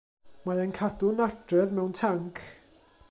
Mae e'n cadw nadredd mewn tanc.